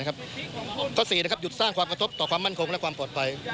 ข้อ๔หยุดสร้างความกระทบต่อความมั่นคงและความปลอดภัย